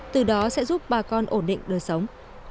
từ đó sẽ giúp bà con ổn định đời sống